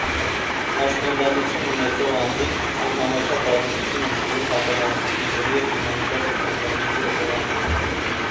Հաշմանդամություն ունեցող անձինք անհամաչափ ազդեցություն են կրում հակամարտությունների և հումանիտար ճգնաժամերի հետևանքով: